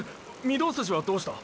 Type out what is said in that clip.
御堂筋はどうした？